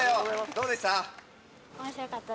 どうでした？